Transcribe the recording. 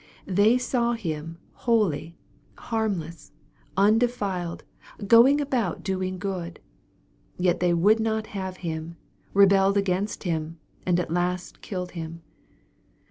They saw Him holy, harmless, undefiled, going about doing good. Yet they would not have Him, rebelled against Him, and at last killed Him.